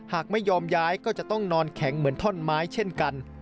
หากไม่ยอมย้ายก็จะต้องนอนแข็งเหมือนท่อนไม้เช่นกัน